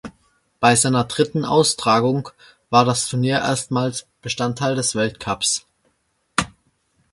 Bei seiner dritten Austragung war das Turnier erstmals Bestandteil des Weltcups.